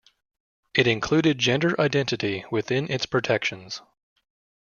It included gender identity within its protections.